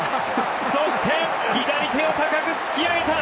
そして左手を高く突き上げた！